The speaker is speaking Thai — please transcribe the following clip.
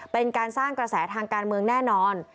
เป็นการสร้างกระแสทางการเมืองแน่นอน